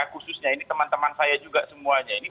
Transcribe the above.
khususnya ini teman teman saya juga semuanya